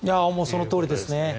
そのとおりですね。